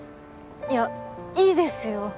いやいいですよ。